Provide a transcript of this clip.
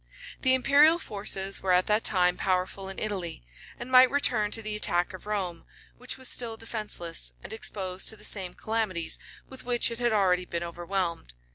The imperial forces were at that time powerful in Italy, and might return to the attack of Rome, which was still defenceless, and exposed to the same calamities with which it had already been overwhelmed.